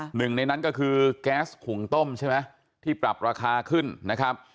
หนึ่งในนั้นก็คือแก๊สหุงต้มใช่ไหมที่ปรับราคาขึ้นนะครับ